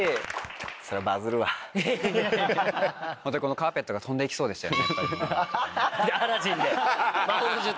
ホントこのカーペットが飛んで行きそうでしたよね。